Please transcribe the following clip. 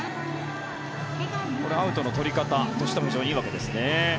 アウトの取り方としても非常にいいわけですね。